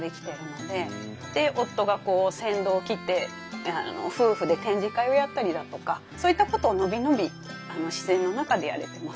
で夫が先導きって夫婦で展示会をやったりだとかそういったことを伸び伸び自然の中でやれてます。